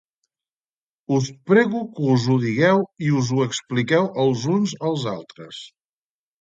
Us prego que us ho digueu i us ho expliqueu els uns als altres.